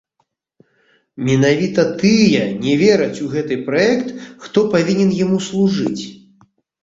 Менавіта тыя не вераць у гэты праект, хто павінен яму служыць.